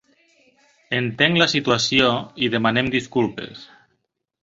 Entenc la situació i demanem disculpes.